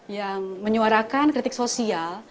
yang menyuarakan kritik sosial